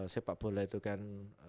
siapapun lah itu kan